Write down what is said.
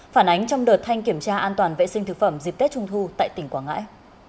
phản ánh trong đợt thanh kiểm tra an toàn vệ sinh thực phẩm dịp tết trung thu tại tỉnh quảng ngãi